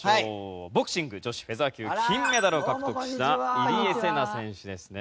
ボクシング女子フェザー級金メダルを獲得した入江聖奈選手ですね。